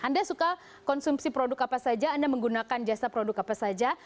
anda suka konsumsi produk apa saja anda menggunakan jasa produk apa saja